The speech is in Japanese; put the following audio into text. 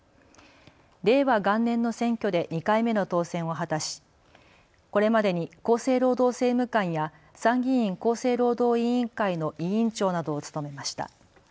令和元年の選挙で２回目の当選を果たしこれまでに厚生労働政務官や参議院厚生労働委員会の委員長などを務めました。